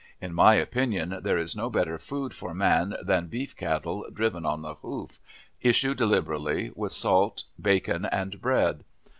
In my opinion, there is no better food for man than beef cattle driven on the hoof, issued liberally, with salt, bacon, and bread.